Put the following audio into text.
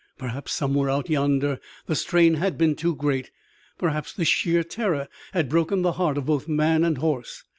Perhaps somewhere out yonder the strain had been too great; perhaps the sheer terror had broken the heart of both man and horse.